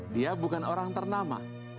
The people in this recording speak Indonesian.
dia bukan orang ternama